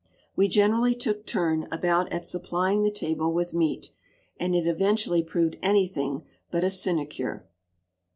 We generally took turn about at supplying the table with meat, and it eventually proved anything but a sinecure.